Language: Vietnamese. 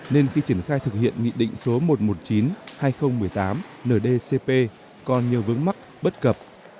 nên khi triển khai thực hiện nghị định số một trăm một mươi chín hai nghìn một mươi tám ndcp còn nhiều vướng mắc bất cập